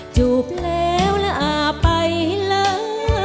จูบแล้วลาไปเลย